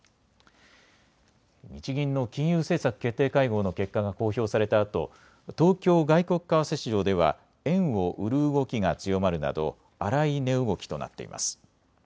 日銀の金融政策決定会合の結果が公表されたあと東京外国為替市場では円を売る動きが強まるなど荒い値動きとなっています。